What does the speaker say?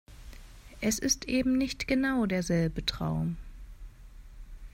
Es ist eben nicht genau derselbe Traum.